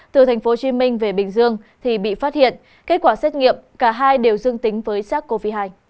từ tp hcm về bình dương thì bị phát hiện kết quả xét nghiệm cả hai đều dương tính với sars cov hai